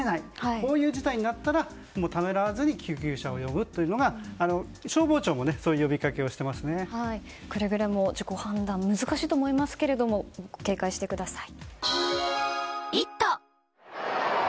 こういう事態になったらためらわずに救急車を呼ぶというのが消防庁もくれぐれも自己判断は難しいと思いますけれども警戒してください。